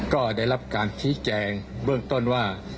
ก็ได้รับการชี้แจงเบื้องต้นว่า